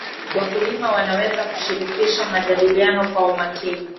wakulima wanaweza kushirikisha majadiliano kwa umakini